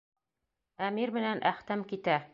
Әмир менән Әхтәм китә.